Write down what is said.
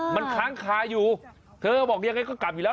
มันค้างคาอยู่เธอบอกยังไงก็กลับอยู่แล้ว